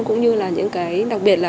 cũng như là những cái đặc biệt là